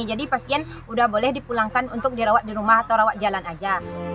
jadi pasien sudah boleh dipulangkan untuk dirawat di rumah atau rawat jalan saja